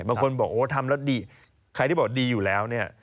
บางคนบอกโอ้ทำแล้วดีใครที่บอกดีอยู่แล้วเนี่ย